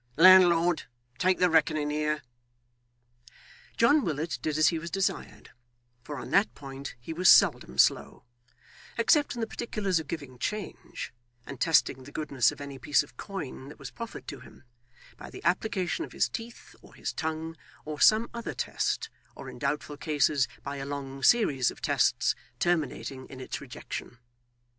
'Landlord, take the reckoning here.' John Willet did as he was desired; for on that point he was seldom slow, except in the particulars of giving change, and testing the goodness of any piece of coin that was proffered to him, by the application of his teeth or his tongue, or some other test, or in doubtful cases, by a long series of tests terminating in its rejection.